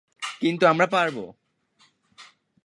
কিন্তু, আমরা পারবো!